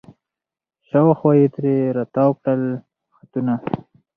شاوخوا یې ترې را تاوکړله خطونه